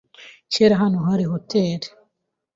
Kera hano hari hoteri.